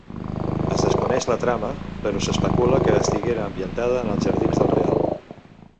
Es desconeix la trama, però s'especula que estiguera ambientada en els Jardins del Real.